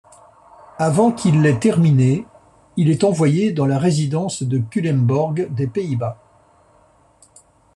Avant qu’il l’ait terminé il est envoyé dans la résidence de Culemborg des Pays-Bas.